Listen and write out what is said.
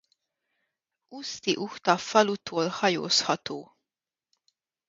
Uszty-Uhta falutól hajózható.